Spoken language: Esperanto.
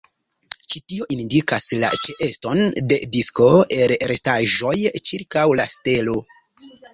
Ĉi tio indikas la ĉeeston de disko el restaĵoj ĉirkaŭ la stelo.